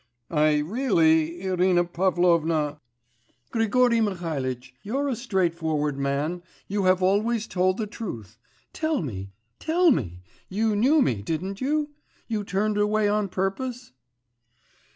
'I really ... Irina Pavlovna ' 'Grigory Mihalitch, you're a straightforward man, you have always told the truth; tell me, tell me, you knew me, didn't you? you turned away on purpose?